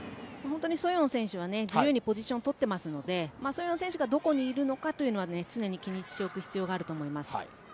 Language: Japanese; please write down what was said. ソヨン選手は自由にポジションをとりますのでソヨン選手がどこにいるのか常に気にしておく必要があると思います。